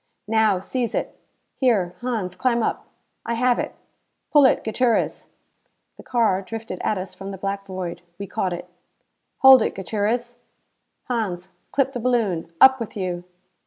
"Now, seize it." "Here, Hans, climb up." "I have it. Pull it, Gutierrez!" The car drifted at us from the black void. We caught it. "Hold it, Gutierrez." "Hans, clip the balloon. Up with you."